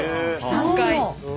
３回。